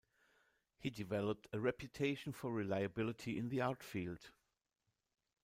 He developed a reputation for reliability in the art field.